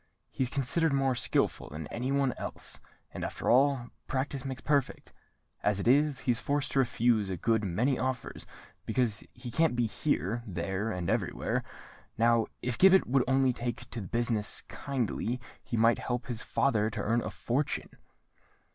He's considered more skilful than any one else; and, after all, practice makes perfect. As it is, he is forced to refuse a good many offers, because he can't be here, there, and everywhere. Now if Gibbet would only take to the business kindly, he might help his father to earn a fortune!"